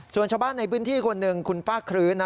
ส่วนชาวบ้านในพื้นที่คนหนึ่งคุณป้าคลื้นนะ